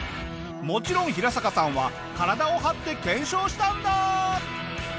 もちろんヒラサカさんは体を張って検証したんだ！